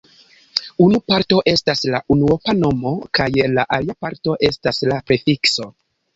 Unu parto estas la unuopa nomo kaj la alia parto estas la prefikso.